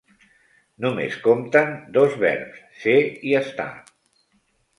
Només compten dos verbs: ser i estar.